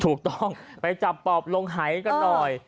ถูกต้องไปจับปอบลงหายกันหน่อย